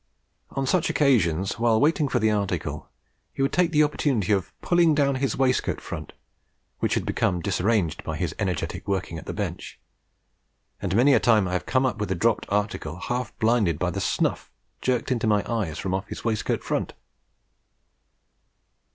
On such occasions, while waiting for the article, he would take the opportunity of pulling down his waistcoat front, which had become disarranged by his energetic working at the bench; and many a time have I come up with the dropped article, half blinded by the snuff jerked into my eyes from off his waistcoat front.